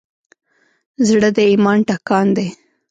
زړه د ایمان ټکان دی.